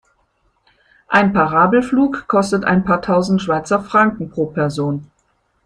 Ein Parabelflug kostet ein paar tausend Schweizer Franken pro Person.